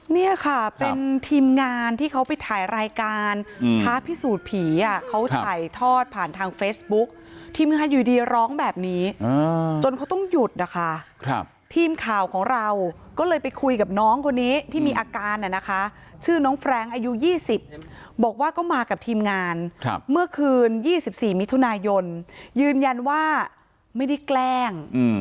เนี่ยค่ะเป็นทีมงานที่เขาไปถ่ายรายการท้าพิสูจน์ผีอ่ะเขาถ่ายทอดผ่านทางเฟซบุ๊กทีมงานอยู่ดีร้องแบบนี้จนเขาต้องหยุดนะคะทีมข่าวของเราก็เลยไปคุยกับน้องคนนี้ที่มีอาการน่ะนะคะชื่อน้องแฟรงค์อายุ๒๐บอกว่าก็มากับทีมงานเมื่อคืน๒๔มิถุนายนยืนยันว่าไม่ได้แกล้ง